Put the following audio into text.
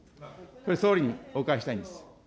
これ、総理にお伺いしたいんです。